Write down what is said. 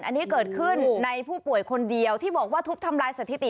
อันนี้เกิดขึ้นในผู้ป่วยคนเดียวที่บอกว่าทุบทำลายสถิติ